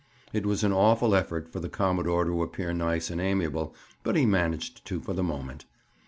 It was an awful effort for the commodore to appear nice and amiable, but he managed to, for the moment.